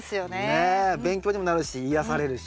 ねえ勉強にもなるし癒やされるし。